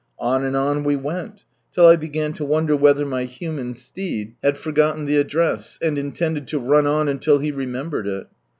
On and on we went, till I began to wonder whether my human steed had forgotten the address, and intended to run on until he remembered it.